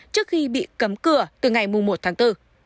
trước khi bị cấm cửa từ ngày một tháng bốn